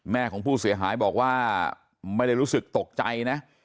ของผู้เสียหายบอกว่าไม่ได้รู้สึกตกใจนะ